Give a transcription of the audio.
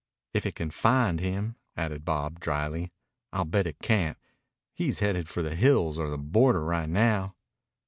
"If it can find him," added Bob dryly. "I'll bet it can't. He's headed for the hills or the border right now."